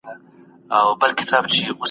پښتانه جنګیالي له مړینې څخه هیڅ وېره نه لري.